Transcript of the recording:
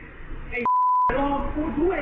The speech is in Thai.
มีชายแปลกหน้า๓คนผ่านมาทำทีเป็นช่วยค่างทาง